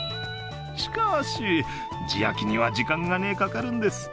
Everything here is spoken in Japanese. しかーし、地焼きには時間がかかるんです。